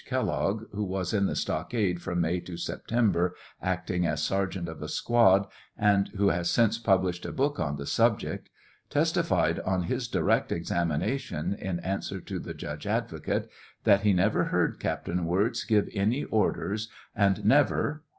Kellogg, who was in the stockade from May to September, acting as sergeant of a squad, and who has since published a book on the subject, testified on his direct examination, in answer to the judge advocate, that he never heard Captain Wirz give any orders and never (p.